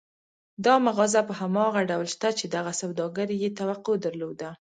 دا مغازه په هماغه ډول شته چې دغه سوداګر يې توقع درلوده.